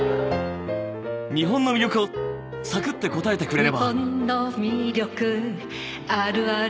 日本の魅力をさくって答えてくれれば。